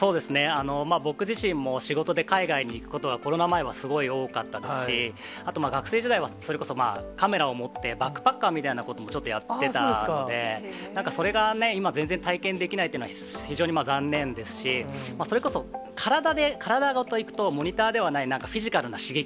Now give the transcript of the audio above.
僕自身も仕事で海外に行くことは、コロナ前はすごい多かったですし、あと学生時代はそれこそカメラを持って、バックパッカーみたいなこともちょっとやってたので、なんかそれが今、全然体験できないというのは、非常に残念ですし、それこそ、体で、体ごと行くと、モニターではない、なんかフィジカルな刺激